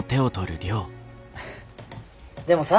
でもさ。